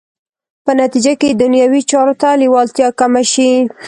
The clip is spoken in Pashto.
په نتیجه کې دنیوي چارو ته لېوالتیا کمه شي.